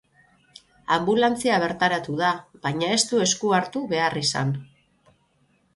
Anbulantzia bertaratu da, baina ez du esku hartu behar izan.